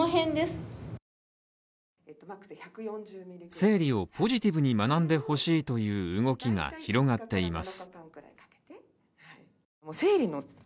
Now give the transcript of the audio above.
生理をポジティブに学んでほしいという動きが広がっています。